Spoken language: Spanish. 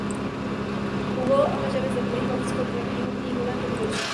Jugó ambas llaves de play offs contra el New England Revolution.